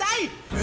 え？